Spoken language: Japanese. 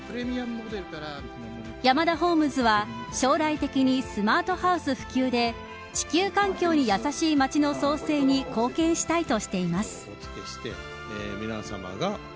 ヤマダホームズは将来的にスマートハウス普及で地球環境に優しい街の創生に貢献したいとしています。